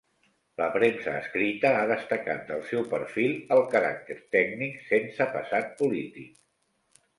La premsa escrita ha destacat del seu perfil el caràcter tècnic, sense passat polític.